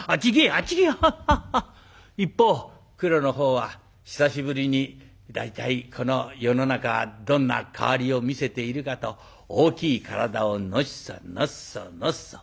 一方クロの方は久しぶりに大体この世の中はどんな変わりを見せているかと大きい体をのっそのっそのっそ。